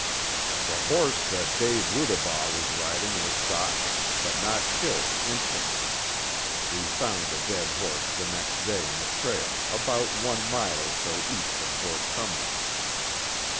The horse that Dave Rudabaugh was riding was shot, but not killed instantly. We found the dead horse the next day on the trail, about one mile or so east of Ft. Sumner.